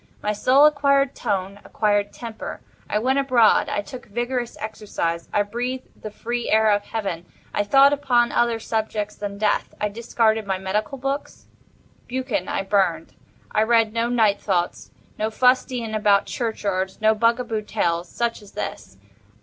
My soul acquired tone—acquired temper. I went abroad. I took vigorous exercise. I breathed the free air of Heaven. I thought upon other subjects than Death. I discarded my medical books. "Buchan" I burned. I read no "Night Thoughts"—no fustian about churchyards—no bugaboo tales—such as this.